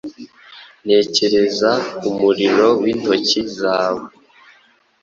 ntekereza umurimo w’intoki zawe.”